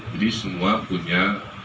jadi semua punya